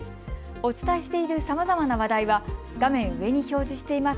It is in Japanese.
お伝えしているさまざまな話題は画面上に表示しています